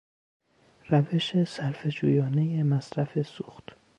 روش صرفه جویانه مصرف سوخت